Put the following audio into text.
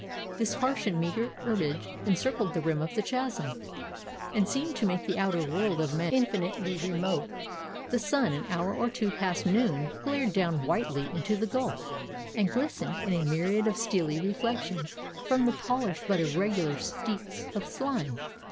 This harsh and meagre herbage encircled the rim of the chasm, and seemed to make the outer world of men infinitely remote. The sun, an hour or two past noon, glared down whitely into the gulf, and glistened, in a myriad of steely reflections, from the polished but irregular steeps of slime.